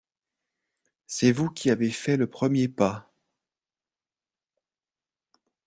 C’est vous qui avez fait le premier pas.